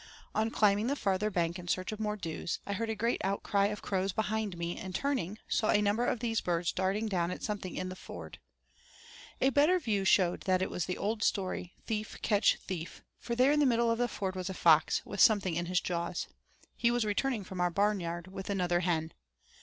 On climbing the farther bank in search of more clews, I heard a great outcry of crows behind me, and turning, saw a number of these birds darting down at something in the ford. A better view showed that it was the old story, thief catch thief, for there in the middle of the ford was a fox with something in his jaws he was returning from our barnyard with another hen.